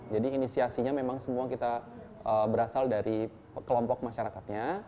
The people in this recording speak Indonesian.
jadi inisiasinya memang semua kita berasal dari kelompok masyarakatnya